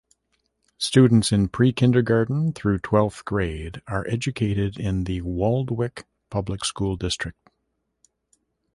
Students in pre-kindergarten through twelfth grade are educated in the Waldwick Public School District.